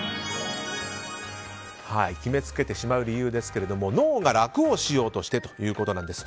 決めつけてしまう理由ですが脳が楽をしようとしてということです。